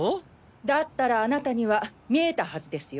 だったらあなたには見えたはずですよ。